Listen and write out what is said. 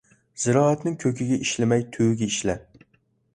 زىرائەتنىڭ كۆكىگە ئىشلىمەي، تۈۋىگە ئىشلە.